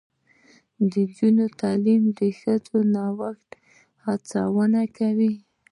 د نجونو تعلیم د ښځو نوښت هڅونه کوي.